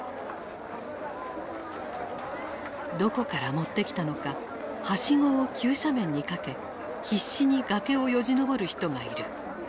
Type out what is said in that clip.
どこから持ってきたのかはしごを急斜面にかけ必死に崖をよじ登る人がいる。